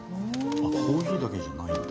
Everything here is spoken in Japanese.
あっコーヒーだけじゃないんだ。